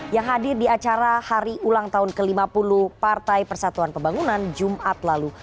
yang hadir di acara hari ulang tahun ke lima puluh partai persatuan pembangunan jumat lalu